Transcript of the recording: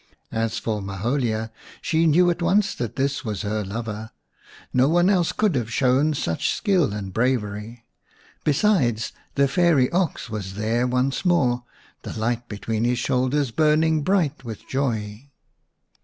As for / Maholia, she knew at once that this was her lover ; no one else could have shown such skill and bravery./ Besides, the fairy ox was there once more, the light between his shoulders burning bright with joy.